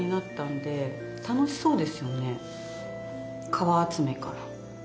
皮集めから。